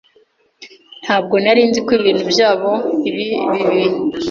Ntabwo nari nzi ko ibintu byabonye ibi bibi.